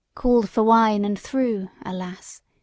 Called for wine, and threw — alas!